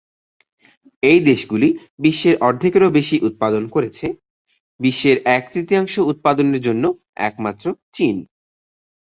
এই দেশগুলি বিশ্বের অর্ধেকেরও বেশি উৎপাদন করেছে; বিশ্বের এক তৃতীয়াংশ উৎপাদনের জন্য একমাত্র চীন।